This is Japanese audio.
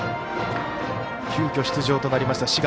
急きょ出場となりました